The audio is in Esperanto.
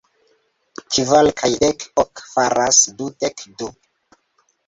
Kvar kaj dek ok faras dudek du.